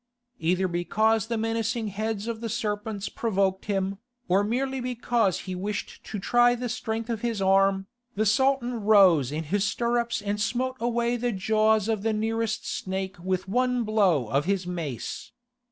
Either because the menacing heads of the serpents provoked him, or merely because he wished to try the strength of his arm, the Sultan rose in his stirrups and smote away the jaws of the nearest snake with one blow of his mace.